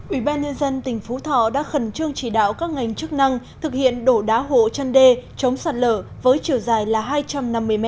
ubnd tỉnh phú thọ đã khẩn trương chỉ đạo các ngành chức năng thực hiện đổ đá hộ chân đê chống sạt lở với chiều dài là hai trăm năm mươi m